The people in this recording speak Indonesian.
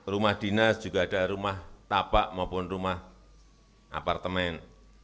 rumah dinas juga ada rumah tapak maupun rumah apartemen